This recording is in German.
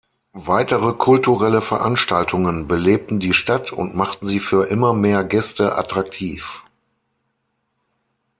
Weitere kulturelle Veranstaltungen belebten die Stadt und machten sie für immer mehr Gäste attraktiv.